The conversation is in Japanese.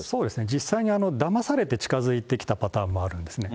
実際にだまされて近づいてきたパターンもあるんですね。